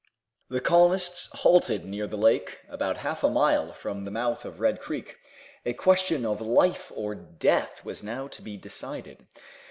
The colonists halted near the lake, about half a mile from the mouth of Red Creek. A question of life or death was now to be decided.